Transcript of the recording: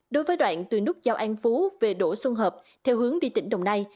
đối với đoạn từ nút giao an phú về đỗ xuân hợp theo hướng đi tỉnh đồng nai